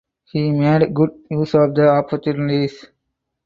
He made good use of the opportunities.